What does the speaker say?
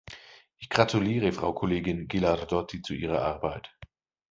Ich gratuliere Frau Kollegin Ghilardotti zu ihrer Arbeit.